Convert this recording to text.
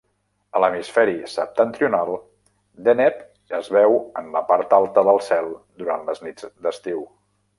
A l'hemisferi septentrional, Deneb es veu en la part alta del cel durant les nits d'estiu.